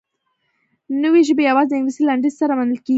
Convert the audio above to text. نورې ژبې یوازې د انګلیسي لنډیز سره منل کیږي.